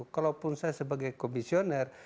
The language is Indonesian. kalaupun saya sebagai komisioner